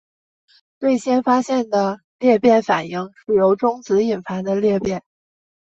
最先发现的裂变反应是由中子引发的裂变。